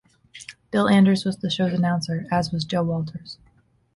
Bill Anders was the show's announcer, as was Joe Walters.